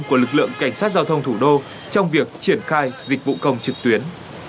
của lực lượng cảnh sát giao thông thủ đô trong việc triển khai dịch vụ công trực tuyến